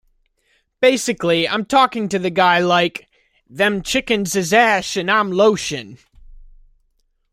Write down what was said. Basically I'm talking to the guy like, 'Them chickens is ash and I'm lotion.